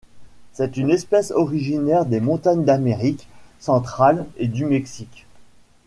C'est une espèce originaire des montagnes d'Amérique centrale et du Mexique.